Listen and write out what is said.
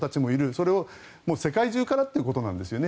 それを世界中からということなんですよね。